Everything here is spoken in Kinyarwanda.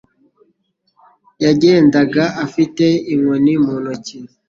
Yagendaga afite inkoni mu ntoki.